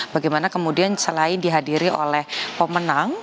bagaimana kemudian selain dihadiri oleh pemenang